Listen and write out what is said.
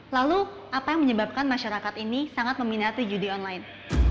lalu apa yang menyebabkan masyarakat ini sangat meminati judi online